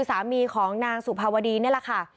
สามีของนางสุภาวดีนี่แหละค่ะ